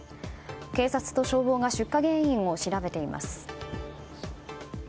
警察と消防が出火原因を調べています。